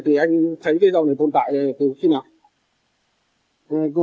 thì anh thấy dầu này tồn tại từ khi nào